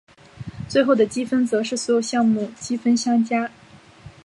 最后的积分则是所有项目积分相加。